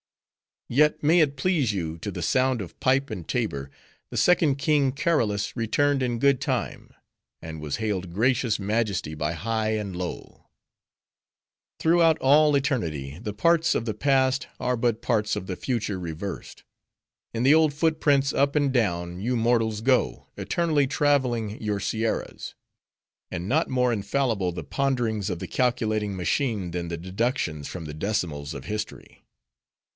"Yet, may it please you, to the sound of pipe and tabor, the second King Karolus returned in good time; and was hailed gracious majesty by high and low. "Throughout all eternity, the parts of the past are but parts of the future reversed. In the old foot prints, up and down, you mortals go, eternally traveling your Sierras. And not more infallible the ponderings of the Calculating Machine than the deductions from the decimals of history.